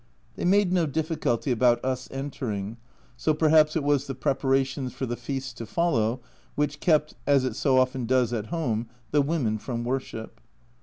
They made no difficulty about us entering, so perhaps it was the preparations for the feasts to follow which kept (as it so often does at home) the women from worship.